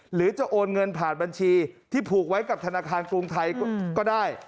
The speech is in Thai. หรือจะโอนเงินผ่านบัญชีที่ผูกไว้กับธนาคารกรุงไทยก็ได้